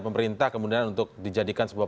pemerintah kemudian untuk dijadikan sebuah